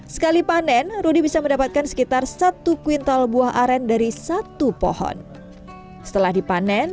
sekali panen rudy bisa mendapatkan sekitar satu kuintal buah aren dari satu pohon setelah dipanen